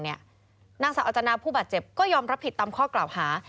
นักศึกษาอาจารย์ผู้บาดเจ็บก็ยอมรับผิดตามข้อกล่าวหา